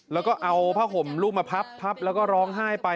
แล้วก็เอาผ้าห่มลูกมาพับพับแล้วก็ร้องไห้ไป